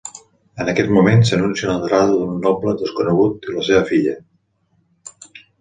En aquest moment, s'anuncia l'entrada d'un noble desconegut i la seva filla.